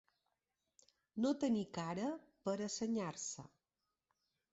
No tenir cara per a senyar-se.